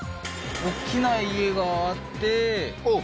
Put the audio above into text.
おっきな家があっておっ